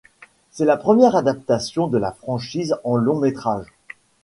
C'est la première adaptation de la franchise en long-métrage.